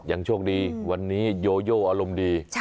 ยังโชคดีวันนี้โยโยอารมณ์ดี